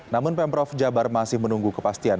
namun pemprov jabar masih menunggu kepastian